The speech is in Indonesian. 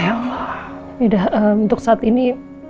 ya untuk saat ini